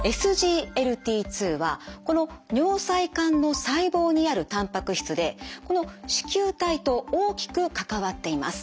ＳＧＬＴ２はこの尿細管の細胞にあるたんぱく質でこの糸球体と大きく関わっています。